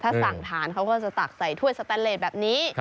ถ้าสั่งทานเขาก็จะตักใส่ถ้วยสแตนเลสแบบนี้